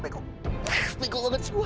begok banget sih gue